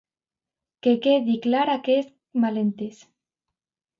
Que quedi clar aquest malentès.